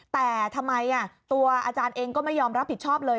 แต่ทำไมตัวอาจารย์เองก็ไม่ยอมรับผิดชอบเลย